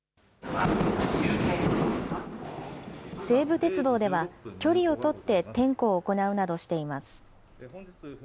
西武鉄道では、距離を取って点呼を行うなどしています。